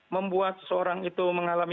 membuat seseorang itu mengalami